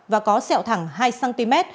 và có sẹo thẳng hai cm